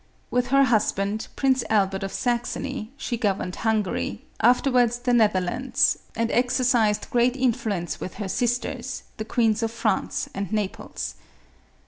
With her husband, Prince Albert of Sax ony, she governed Hungary, afterwards the Nether lands, and exercised great influence with her sisters, the Queens of France and Naples.